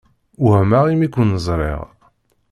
Wehmeɣ imi ken-ẓṛiɣ.